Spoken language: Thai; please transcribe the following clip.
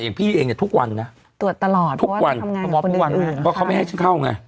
อย่างพี่เองเนี้ยทุกวันนะตรวจตลอดทุกวันเพราะว่าเขาไม่ให้เข้าไง